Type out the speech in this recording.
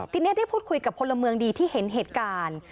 ทีนี้ได้พูดคุยกับพลเมืองดีที่เห็นเหตุการณ์